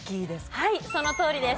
はいそのとおりです。